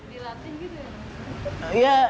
dilatih gitu ya